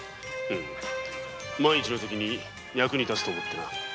うん万一の時に役に立つと思ってな。